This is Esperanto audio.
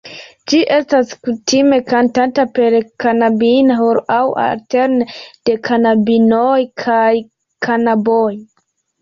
Ĝi estas kutime kantata per knabina ĥoro aŭ alterne de knabinoj kaj knaboj.